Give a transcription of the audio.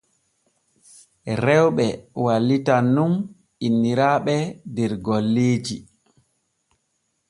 Rewɓe wallitan nun inniraaɓe der golleeji.